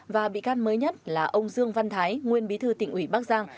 và bị can mới nhất là ông dương văn thái nguyên bí thư tỉnh ủy bắc giang